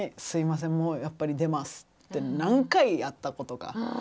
すいませんもうやっぱり出ますって何回やったことか。